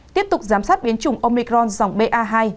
tiếp tục giám sát biến chủng omicron dòng ba